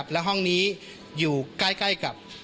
และห้องนี้อยู่ใกล้กับ